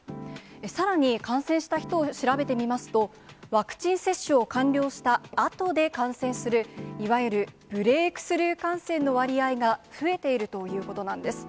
さらに感染した人を調べてみますと、ワクチン接種を完了したあとで感染する、いわゆるブレークスルー感染の割合が増えているということなんです。